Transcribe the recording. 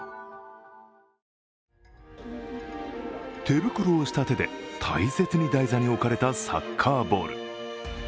手袋をした手で大切に台座に置かれたサッカーボール。